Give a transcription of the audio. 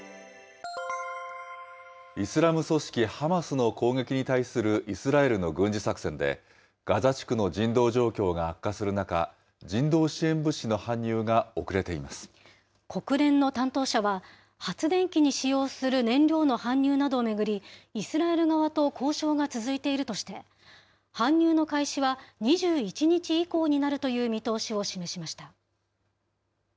イスラム組織ハマスの攻撃に対するイスラエルの軍事作戦で、ガザ地区の人道状況が悪化する中、人道支援物資の搬入が遅れていま国連の担当者は、発電機に使用する燃料の搬入などを巡り、イスラエル側と交渉が続いているとして、搬入の開始は２１日以降になるという見通しを示しました。